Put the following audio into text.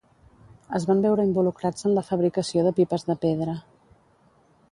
Es van veure involucrats en la fabricació de pipes de pedra.